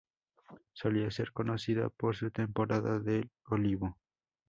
Solía ser conocida por su temporada del olivo.